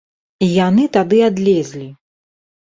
І яны тады адлезлі!